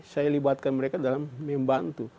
saya libatkan mereka dalam membantu